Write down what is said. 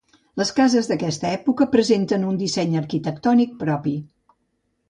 Les cases d'aquesta època presenten un disseny arquitectònic propi.